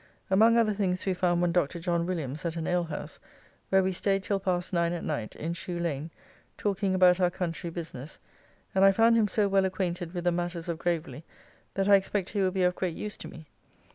Among other things we found one Dr. John Williams at an alehouse, where we staid till past nine at night, in Shoe Lane, talking about our country business, and I found him so well acquainted with the matters of Gravely that I expect he will be of great use to me.